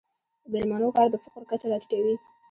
د میرمنو کار د فقر کچه راټیټوي.